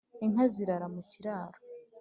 inka zirara mu kiraro